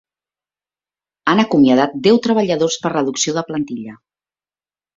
Han acomiadat deu treballadors per reducció de plantilla.